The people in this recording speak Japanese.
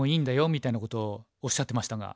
みたいなことをおっしゃってましたが。